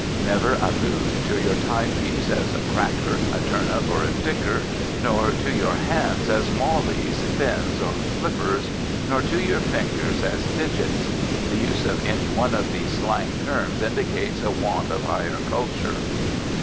Never allude to your time piece as a "cracker," a "turnip" or a "ticker," nor to your hands as "mawlies," "fins" or "flippers," nor to your fingers as "digits." The use of any one of these slang terms indicates a want of higher culture.